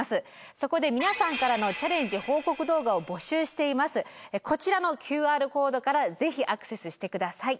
そこで皆さんからのこちらのＱＲコードから是非アクセスしてください。